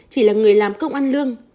chỉ là người làm công ăn lương